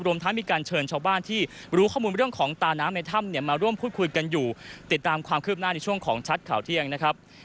ทั้งมีการเชิญชาวบ้านที่รู้ข้อมูลเรื่องของตาน้ำในถ้ำเนี่ยมาร่วมพูดคุยกันอยู่ติดตามความคืบหน้าในช่วงของชัดข่าวเที่ยงนะครับ